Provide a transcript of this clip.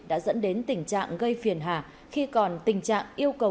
đã dẫn đến tình trạng gây phiền hà khi còn tình trạng yêu cầu